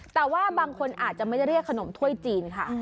แต่ว่าบางคนอาจจะไม่ได้เรียกขนมถ้วยจีนค่ะ